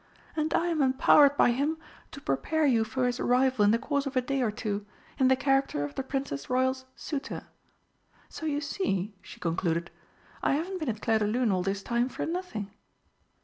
And I am empowered by him to prepare you for his arrival in the course of a day or two, in the character of the Princess Royal's suitor. So you see," she concluded, "I haven't been at Clairdelune all this time for nothing."